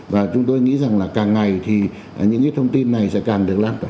và chúng tôi nghĩ rằng là càng ngày thì những cái thông tin này sẽ càng được lan tỏa